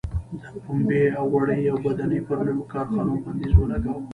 د پنبې او وړۍ اوبدنې پر نویو کارخونو بندیز ولګاوه.